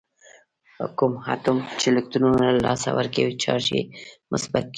کوم اتوم چې الکترون له لاسه ورکوي چارج یې مثبت کیږي.